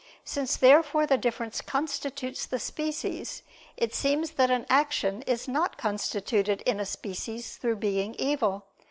Since therefore the difference constitutes the species, it seems that an action is not constituted in a species through being evil.